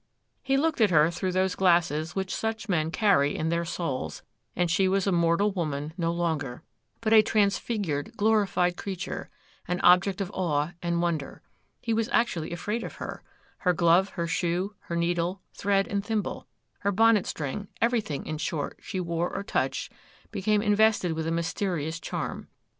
He looked at her through those glasses which such men carry in their souls, and she was a mortal woman no longer, but a transfigured, glorified creature,—an object of awe and wonder. He was actually afraid of her; her glove, her shoe, her needle, thread, and thimble, her bonnet string, everything, in short, she wore or touched became invested with a mysterious charm.